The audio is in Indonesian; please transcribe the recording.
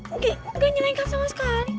oke enggak nyelengkat sama sekali